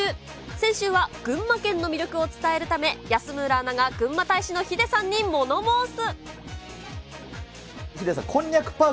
先週は、群馬県の魅力を伝えるため、安村アナがぐんま大使のヒデさんに物申す。